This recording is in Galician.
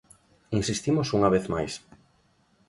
Insistimos unha vez máis.